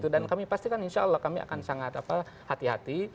dan kami pastikan insya allah kami akan sangat hati hati